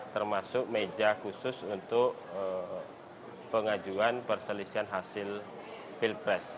termasuk meja khusus untuk pengajuan perselisihan hasil pilpres